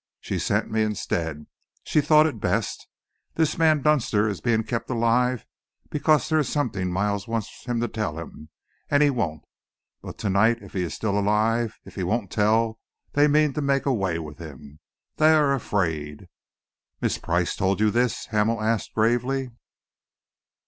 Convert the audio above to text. She sent me instead. She thought it best. This man Dunster is being kept alive because there is something Miles wants him to tell him, and he won't. But to night, if he is still alive, if he won't tell, they mean to make away with him. They are afraid." "Miss Price told you this?" Hamel asked gravely.